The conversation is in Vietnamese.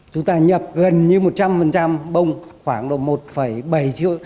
chúng ta nhập gần như một trăm linh bông khoảng độ một bảy triệu